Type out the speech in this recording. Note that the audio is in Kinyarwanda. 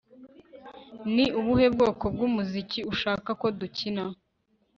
Ni ubuhe bwoko bwumuziki ushaka ko dukina